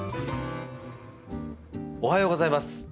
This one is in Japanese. おはようございます。